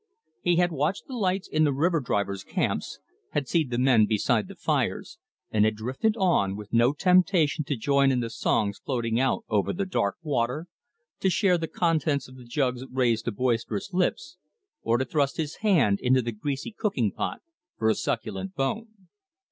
He had watched the lights in the river drivers' camps, had seen the men beside the fires, and had drifted on, with no temptation to join in the songs floating out over the dark water, to share the contents of the jugs raised to boisterous lips, or to thrust his hand into the greasy cooking pot for a succulent bone.